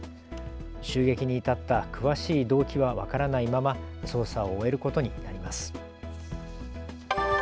襲撃に至った詳しい動機は分からないまま捜査を終えることになります。